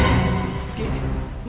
tidak ada yang bisa dihukum